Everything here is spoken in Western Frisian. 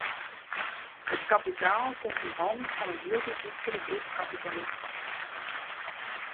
It kapitaal komt yn hannen fan in hieltyd lytsere groep kapitalisten.